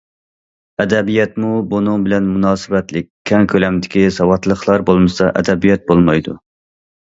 ئەدەبىياتمۇ بۇنىڭ بىلەن مۇناسىۋەتلىك، كەڭ كۆلەمدىكى ساۋاتلىقلار بولمىسا ئەدەبىيات بولمايدۇ.